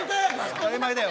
当り前だよ。